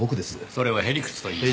それを屁理屈と言います。